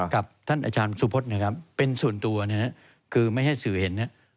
กับท่านอาจารย์สุพธิ์เป็นส่วนตัวคือไม่ให้สื่อเห็น